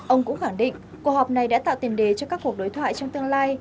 ông cũng khẳng định cuộc họp này đã tạo tiền đề cho các cuộc đối thoại trong tương lai